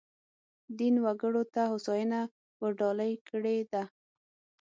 دین وګړو ته هوساینه ورډالۍ کړې ده.